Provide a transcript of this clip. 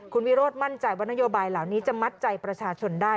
คุณวิโรธมั่นใจว่านโยบายเหล่านี้จะมัดใจประชาชนได้